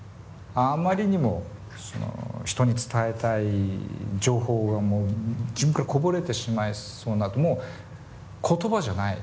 あまりにも人に伝えたい情報が自分からこぼれてしまいそうになるともう言葉じゃない。